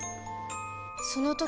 その時